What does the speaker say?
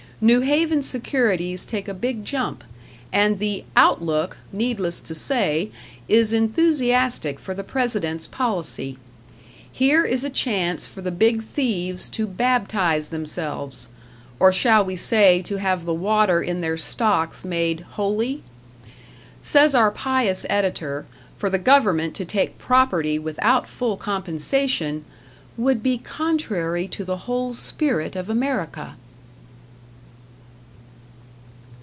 New Haven securities take a big jump; and the "Outlook", needless to say, is enthusiastic for the President's policy. Here is a chance for the big thieves to baptize themselves or shall we say to have the water in their stocks made "holy"? Says our pious editor, for the government to take property without full compensation "would be contrary to the whole spirit of America."